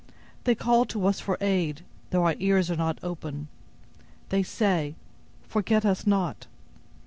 They call to us for aid, though our ears are not open; they say, 'Forget us not.